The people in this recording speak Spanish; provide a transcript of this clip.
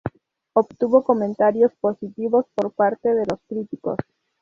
Obtuvo comentarios positivos por parte de los críticos.